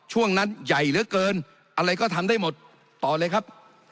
ช่วงนั้นใหญ่เหลือเกินอะไรก็ทำได้หมดต่อเลยครับ